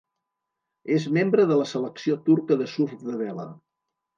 És membre de la selecció turca de surf de vela.